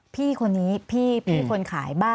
พี่คนนี้พี่คนขาย